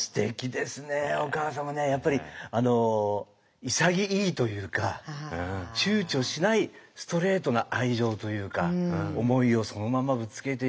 やっぱり潔いというかちゅうちょしないストレートな愛情というか思いをそのままぶつけていくって。